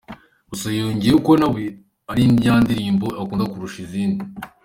Gusa yongeraho ko nawe ari yo ndirimbo akunda kurusha izindi.